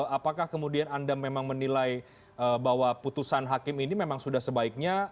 apakah kemudian anda memang menilai bahwa putusan hakim ini memang sudah sebaiknya